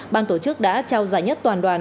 ban tổ chức đã trao giải nhất toàn đoàn